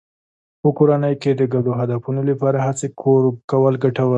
په کورنۍ کې د ګډو هدفونو لپاره هڅې کول ګټور دي.